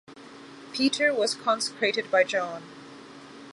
Peter was consecrated by John.